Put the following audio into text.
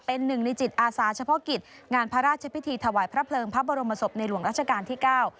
เป็นหนึ่งในจิตอาสาเฉพาะกิจงานพระราชพิธีถวายพระเพลิงพระบรมศพในหลวงราชการที่เก้า